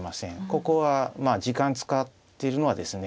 ここは時間使ってるのはですね